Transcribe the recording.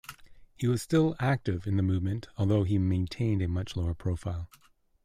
He was still active in the movement, although he maintained a much lower profile.